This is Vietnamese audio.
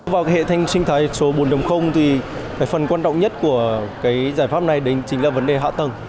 vào hệ sinh thái số bốn thì phần quan trọng nhất của giải pháp này chính là vấn đề hạ tầng